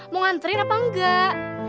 mau nganterin apa enggak